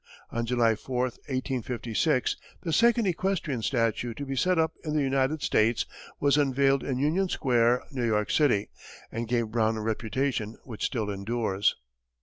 On July 4, 1856, the second equestrian statue to be set up in the United States was unveiled in Union Square, New York City, and gave Brown a reputation which still endures.